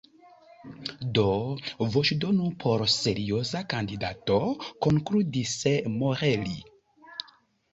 Do voĉdonu por serioza kandidato, konkludis Maurelli.